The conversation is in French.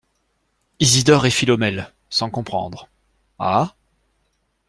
Isidore et Philomèle, sans comprendre. — Ah ?